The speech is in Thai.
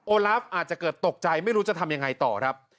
ลาฟอาจจะเกิดตกใจไม่รู้จะทำยังไงต่อครับ